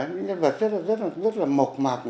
những nhân vật rất là mộc mạc